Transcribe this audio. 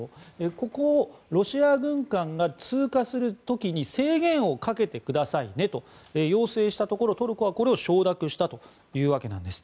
ここをロシア軍艦が通過する時に制限をかけてくださいねと要請したところトルコは、これを承諾したというわけなんです。